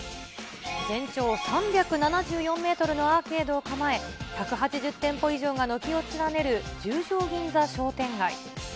全長３７４メートルのアーケードを構え、１８０店舗以上が軒を連ねる十条銀座商店街。